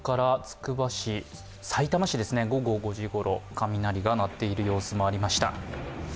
さいたま市、午後５時ごろ雷が鳴っている様子もありました。